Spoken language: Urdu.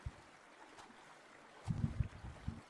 کیا تم وہ دن بھول گئے جب میں نے تمہاری دھلائی کی تھی